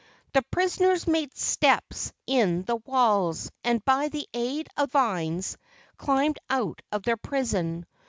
The prisoners made steps in the walls, and by the aid of vines climbed out of their prison.